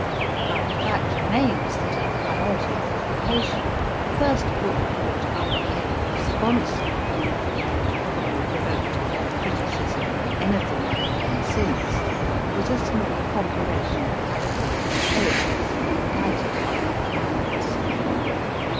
But the fact remains that in priority of publication the first book for which I became responsible, and which probably provoked more criticism than anything I have written since, was a small compilation of California!! poems indited by other hands.